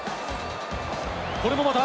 これもまた、